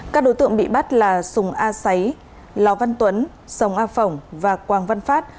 các đối tượng bị bắt là sùng a xáy lò văn tuấn sông a phỏng và quang văn phát